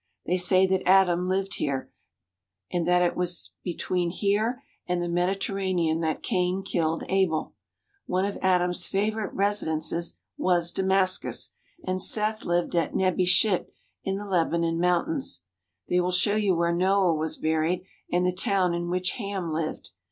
They say that Adam lived here, and that it was between here and the Medi terranean that Cain killed Abel. One of Adam's favour ite residences was Damascus, and Seth lived at Nebi Schitt in the Lebanon Mountains. They will show you where Noah was buried and the town in which Ham lived.